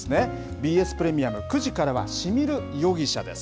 ＢＳプレミアム、９時からは沁みる夜汽車です。